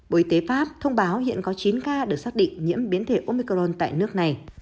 bộ y tế pháp thông báo hiện có chín ca được xác định nhiễm biến thể omicron tại nước này